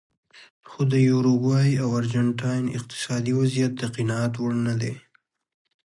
خو د یوروګوای او ارجنټاین اقتصادي وضعیت د قناعت وړ نه دی.